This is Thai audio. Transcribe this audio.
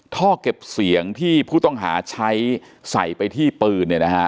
ท่อเก็บเสียงที่ผู้ต้องหาใช้ใส่ไปที่ปืน